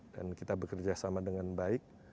dan kita bekerja sama dengan baik